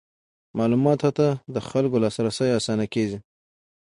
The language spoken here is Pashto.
معلوماتو ته د خلکو لاسرسی اسانه کیږي.